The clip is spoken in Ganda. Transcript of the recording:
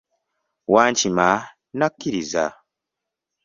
Wankima n'akiriza!